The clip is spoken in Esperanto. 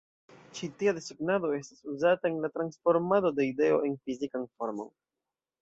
Ĉi tia desegnado estas uzata en la transformado de ideo en fizikan formon.